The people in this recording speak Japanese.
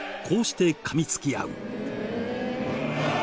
こうして噛みつき合う。